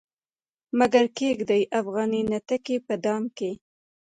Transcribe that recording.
مګر کښيږدي افغاني نتکۍ په دام کې